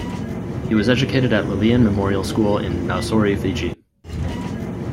He was educated at Lelean Memorial School in Nausori, Fiji.